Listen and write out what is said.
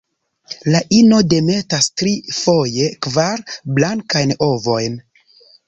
La ino demetas tri, foje kvar, blankajn ovojn.